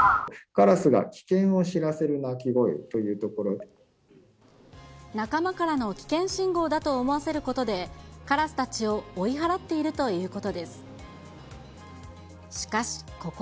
カラスが危険を知らせる鳴き仲間からの危険信号だと思わせることで、カラスたちを追い払っているということです。